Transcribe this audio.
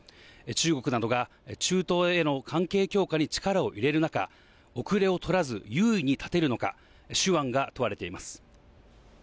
中国などが中東への関係強化に力を入れる中、後れを取らず、優位に立てるのか手腕が問われています。